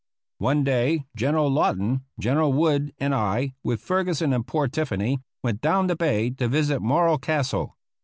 One day General Lawton, General Wood and I, with Ferguson and poor Tiffany, went down the bay to visit Morro Castle.